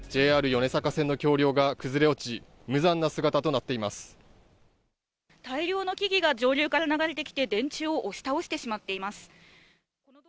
ＪＲ米坂線の橋梁が崩れ落ち、大量の木々が上流から流れてきて電柱を押し倒してしまっています。